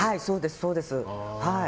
そうです。